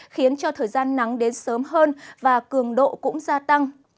khiến cho thời gian nắng đến sớm hơn và cường độ cũng gia tăng